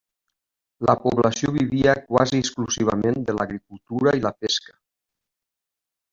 La població vivia quasi exclusivament de l'agricultura i la pesca.